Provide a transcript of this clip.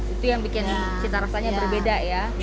itu yang bikin cita rasanya berbeda ya